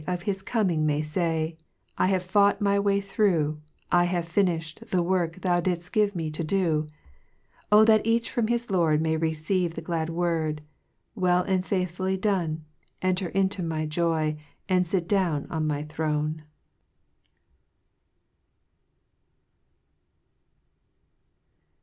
Of his coming may fay, u I have fought my way through, I have tint fa' d the work thou didlt give me to do !" O that each from his Lord, May receive the glad word, ''Well and faithfully done, Enter into my joy, And lit down on my throne!"